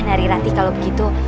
nari rati kalau begitu